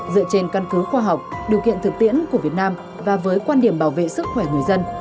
dựa trên căn cứ khoa học điều kiện thực tiễn của việt nam và với quan điểm bảo vệ sức khỏe người dân